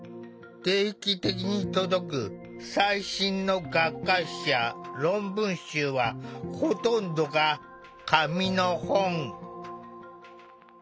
定期的に届く最新の学会誌や論文集はほとんどが「紙の本」。